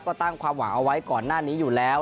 ก็ตั้งความหวังเอาไว้ก่อนหน้านี้อยู่แล้ว